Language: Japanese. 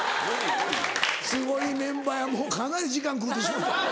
すごいメンバーやもうかなり時間食うてしもうた。